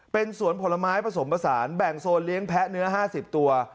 เป็นสวนผลไม้ผสมผสานแบ่งโซนเลี้ยงแพ้เนื้อ๕๐ตัว